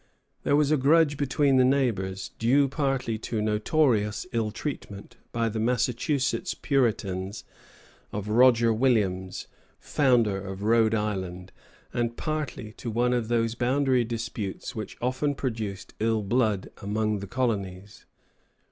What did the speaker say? ] There was a grudge between the neighbors, due partly to notorious ill treatment by the Massachusetts Puritans of Roger Williams, founder of Rhode Island, and partly to one of those boundary disputes which often produced ill blood among the colonies.